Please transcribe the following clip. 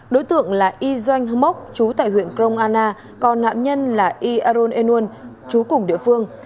đối tượng là y doanh hâm mốc chú tại huyện cromana còn nạn nhân là y aron enun chú cùng địa phương